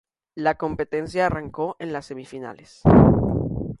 La competencia arrancó en las Semifinales.